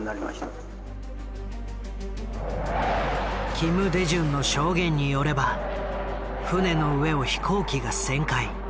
金大中の証言によれば船の上を飛行機が旋回。